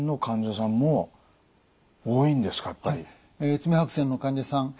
爪白癬の患者さん